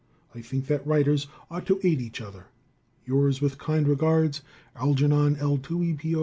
I think that writers ought to aid each other. Yours with kind regards, Algernon L. Tewey. P.O.